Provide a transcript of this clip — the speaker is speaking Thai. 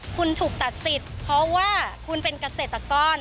คุณถูกตัดสิทธิ์เพราะว่าคุณเป็นเกษตรกร